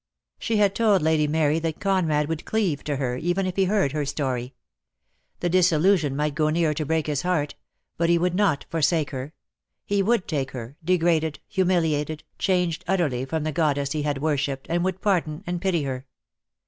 She had told Lady Mary that Conrad would cleave to her, even if he heard her story. The disillusion might go near to break his heart, but he would not forsake her. He would take her, degraded, humiliated, changed utterly from the goddess he had worshipped, and would pardon and pity her.